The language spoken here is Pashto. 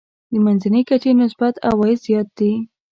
منځنۍ کچې نسبت عوايد زیات دي.